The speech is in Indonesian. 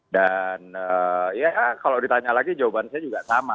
dan ya kalau ditanya lagi jawabannya juga sama